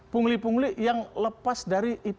pungli pungli yang lepas dari